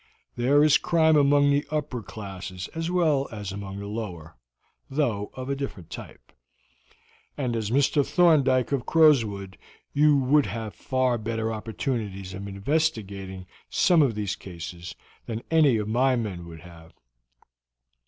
There is crime among the upper classes as well as among the lower, though of a different type; and as Mr. Thorndyke of Crowswood you would have far better opportunities of investigating some of these cases than any of my men would have.